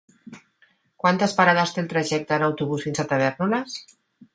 Quantes parades té el trajecte en autobús fins a Tavèrnoles?